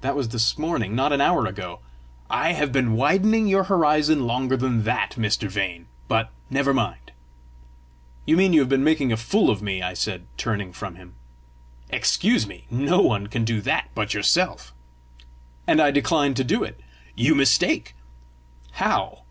"That was this morning not an hour ago!" "I have been widening your horizon longer than that, Mr. Vane; but never mind!" "You mean you have been making a fool of me!" I said, turning from him. "Excuse me: no one can do that but yourself!" "And I decline to do it." "You mistake." "How?"